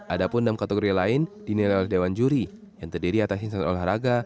ada pun enam kategori lain dinilai oleh dewan juri yang terdiri atas insan olahraga